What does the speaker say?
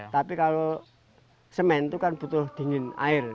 tapi kalau semen itu kan butuh dingin air